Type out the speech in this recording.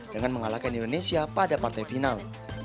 dengan mengalahkan indonesia pada partai final